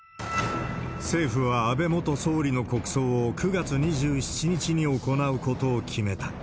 政府は、安倍元総理の国葬を９月２７日に行うことを決めた。